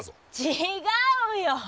違うよ。